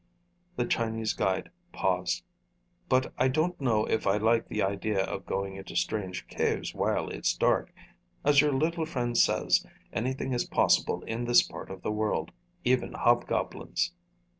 The Chinese guide paused. "But I don't know if I like the idea of going into strange caves while it's dark. As your little friend says, anything is possible in this part of the world. Even hobgoblins."